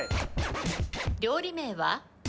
料理名は？